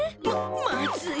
ままずい。